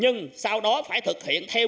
trường trọng nghĩa châu la ngôi chính trị tại đức